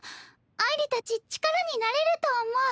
あいりたち力になれると思う。